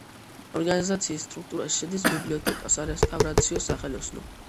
ორგანიზაციის სტრუქტურაში შედის ბიბლიოთეკა, სარესტავრაციო სახელოსნო.